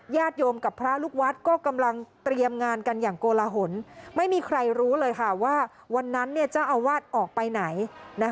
โยมกับพระลูกวัดก็กำลังเตรียมงานกันอย่างโกลหนไม่มีใครรู้เลยค่ะว่าวันนั้นเจ้าอาวาสออกไปไหน